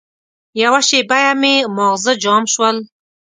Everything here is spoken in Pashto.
یوه شېبه مې ماغزه جام شول.